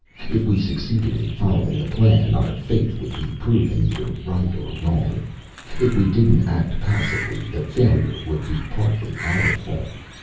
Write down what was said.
If we succeeded in following the plan, our faith would be proven either right or wrong. If we didn't act passively, the failure would be partly our fault.